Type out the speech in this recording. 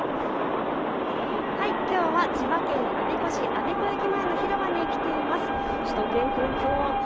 きょうは千葉県我孫子市、我孫子駅前の広場に来ています。